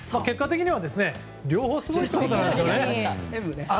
結果的には両方すごいということです。